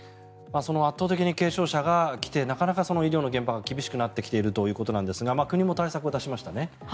圧倒的に軽症者が来てなかなか医療の現場が厳しくなってきているということなんですが国も対策を出しましたね。